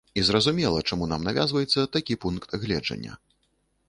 І зразумела, чаму нам навязваецца такі пункт гледжання.